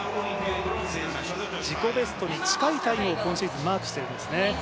自己ベストに近いタイムを今シーズンマークしているんですね。